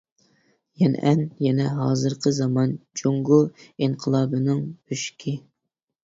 يەنئەن يەنە ھازىرقى زامان جۇڭگو ئىنقىلابىنىڭ بۆشۈكى.